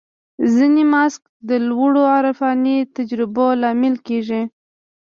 ځینې مناسک د لوړو عرفاني تجربو لامل کېږي.